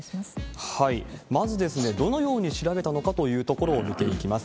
まず、どのように調べたのかというところを見ていきます。